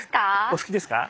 お好きですか？